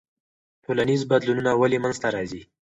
ټولنیز بدلونونه ولې منځ ته راځي؟